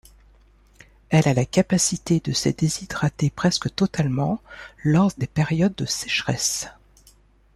Elle a la capacité de se déshydrater presque totalement lors des périodes de sécheresses.